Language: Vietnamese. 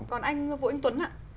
còn anh vũ anh tuấn ạ